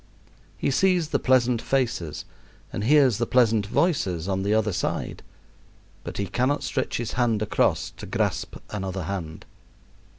He sees the pleasant faces and hears the pleasant voices on the other side, but he cannot stretch his hand across to grasp another hand.